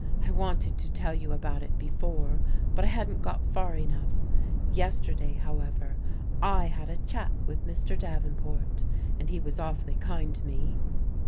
I wanted to tell you about it before, but I hadn't got far enough. Yesterday, however, I had a chat with Mr. Davenport, and he was awfully kind to *€ me.